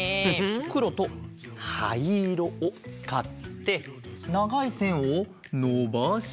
くろとはいいろをつかってながいせんをのばして。